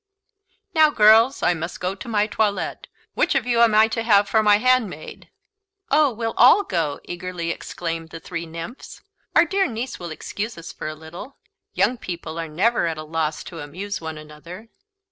"Now, girls, I must go to my toilet; which of you am I to have for my handmaid?" "Oh, we'll all go," eagerly exclaimed the three nymphs; "our dear niece will excuse us for a little; young people are never at a loss to amuse one another."